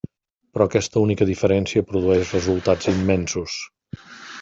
Però aquesta única diferència produeix resultats immensos.